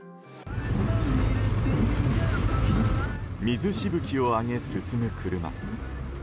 水しぶきを上げ、進む車。